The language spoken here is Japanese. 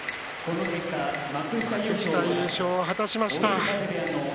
幕下優勝を果たしました。